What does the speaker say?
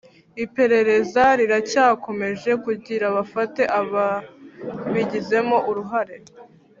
Iperereza riracyakomeje kugira bafate ababigizemo uruhare